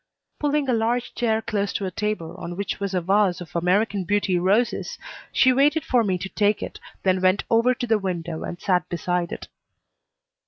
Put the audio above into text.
Pulling a large chair close to a table, on which was a vase of American Beauty roses, she waited for me to take it, then went over to the window and sat beside it.